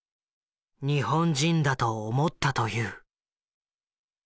日本人だと思ったという。